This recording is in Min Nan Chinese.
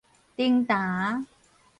重耽